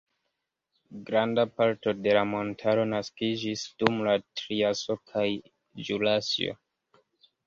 Granda parto de la montaro naskiĝis dum la triaso kaj ĵurasio.